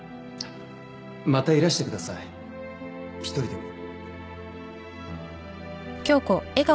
またいらしてください１人でも。